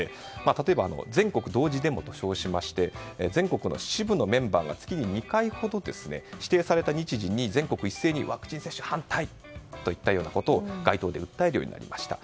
例えば、全国同時デモと称して全国の支部のメンバーを月に２回ほど指定された日時に全国一斉にワクチン接種反対といったことを街頭で訴えるようになりました。